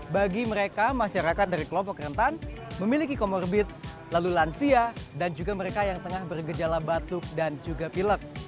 bagi mereka masyarakat dari kelompok rentan memiliki komorbit lalu lansia dan juga mereka yang tengah bergejala batuk dan juga pilek